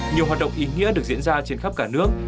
nhiều hoạt động ý nghĩa được diễn ra trên khắp cả nước